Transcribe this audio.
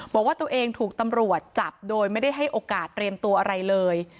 บอกว่าตัวเองถูกตำรวจจับโดยไม่ได้ให้โอกาสเตรียมตัวอะไรเลย